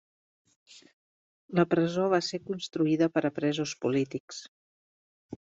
La presó va ser construïda per a presos polítics.